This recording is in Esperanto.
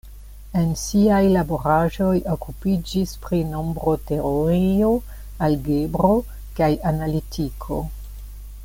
En siaj laboraĵoj okupiĝis pri nombroteorio, algebro kaj analitiko.